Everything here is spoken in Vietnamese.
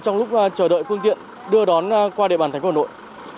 trong lúc chờ đợi phương tiện đưa đón qua địa bàn thành phố hà nội